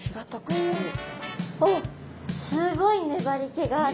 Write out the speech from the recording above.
あっすごい粘りけがある。